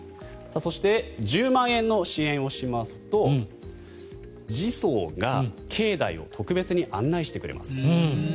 そして１０万円の支援をしますと寺僧が境内を特別に案内してくれます。